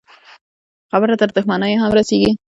خبره تر دښمنيو هم رسېږي.